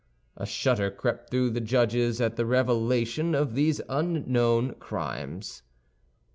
A shudder crept through the judges at the revelation of these unknown crimes.